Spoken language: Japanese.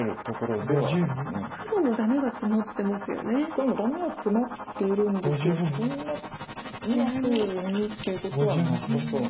黒もダメはツマっているんですけどそんな今すぐにっていうことはなさそう。